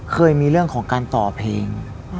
เคยมีเรื่องของการต่อเพลง